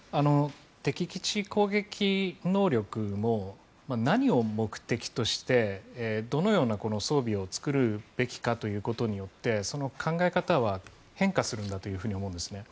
敵基地攻撃能力も何を目的としてどのような装備を作るべきかということによってその考え方は変化すると思うんです。